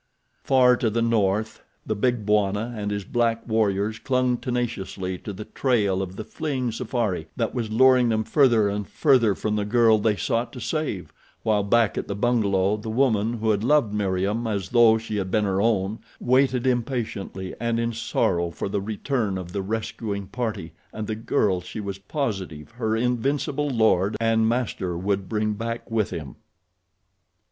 Far to the north the Big Bwana and his black warriors clung tenaciously to the trail of the fleeing safari that was luring them further and further from the girl they sought to save, while back at the bungalow the woman who had loved Meriem as though she had been her own waited impatiently and in sorrow for the return of the rescuing party and the girl she was positive her invincible lord and master would bring back with him.